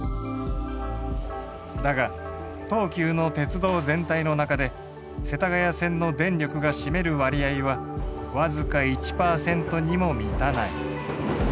だが東急の鉄道全体の中で世田谷線の電力が占める割合は僅か１％にも満たない。